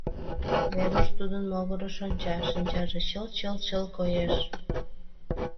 Веруш тудын могырыш онча, шинчаже чыл-чыл-чыл коеш.